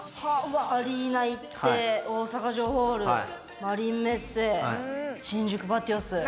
アリーナ行って大阪城ホールマリンメッセ新宿ｖａｔｉｏｓ。